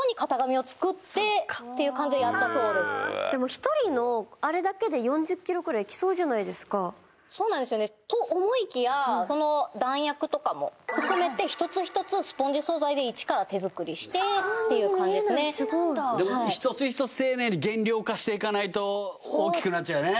１人のあれだけで４０ｋｇくらいいきそうじゃないですかそうなんですよねと思いきやこの弾薬とかも含めて一つ一つスポンジ素材でいちから手作りしてっていう感じですねでも一つ一つ丁寧に減量化していかないと大きくなっちゃうよね